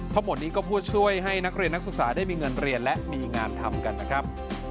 ทั้งหมดนี้ก็เพื่อช่วยให้นักเรียนนักศึกษาได้มีเงินเรียนและมีงานทำกันนะครับ